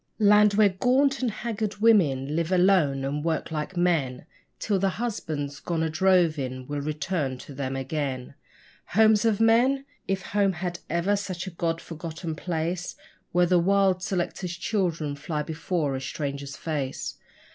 Land where gaunt and haggard women live alone and work like men, Till their husbands, gone a droving, will return to them again: Homes of men! if home had ever such a God forgotten place, Where the wild selector's children fly before a stranger's face.